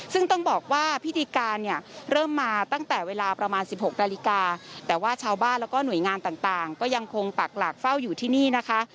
ซึ่งต้องบอกว่าพิธีการเนี่ยเริ่มมาตั้งแต่เวลาประมาณ๑๖นาฬิกาแต่ว่าชาวบ้านแล้วก็หน่วยงานต่างก็ยังคงปักหลักเฝ้าอยู่ที่นี่นะคะ